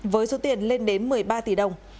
với số tiền lên đến một mươi ba tỷ đồng